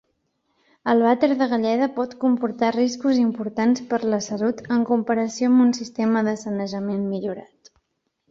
El vàter de galleda pot comportar riscos importants per a la salut en comparació amb un sistema de sanejament millorat.